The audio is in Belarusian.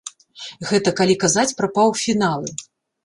Гэта калі казаць пра паўфіналы.